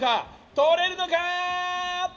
とれるのか？